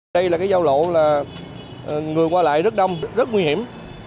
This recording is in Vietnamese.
đây là cái giao lộ là người qua lại rất đông rất nguy hiểm